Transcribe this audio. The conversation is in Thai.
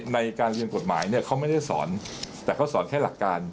ในการเรียนกฎหมายเนี่ยเขาไม่ได้สอนแต่เขาสอนแค่หลักการ